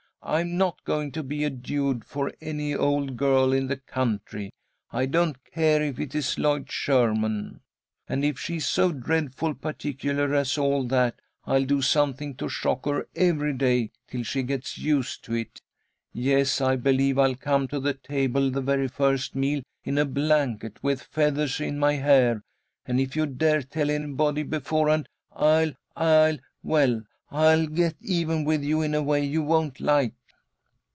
I'm not going to be a dude for any old girl in the country, I don't care if it is Lloyd Sherman. And if she is so dreadful particular as all that, I'll do something to shock her every day, till she gets used to it. Yes, I believe I'll come to the table the very first meal in a blanket, with feathers in my hair, and if you dare tell anybody beforehand, I'll I'll well, I'll get even with you in a way you won't like."